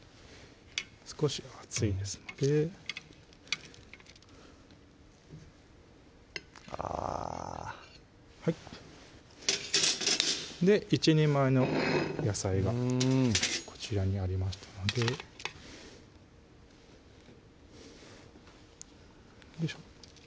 少し熱いですのであ１人前の野菜がこちらにありましたのでよいしょ